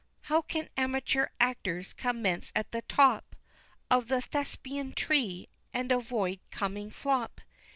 How can amateur actors commence at the top Of the Thespian Tree, and avoid coming flop?